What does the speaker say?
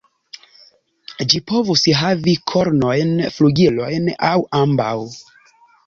Ĝi povus havi kornojn, flugilojn, aŭ ambaŭ.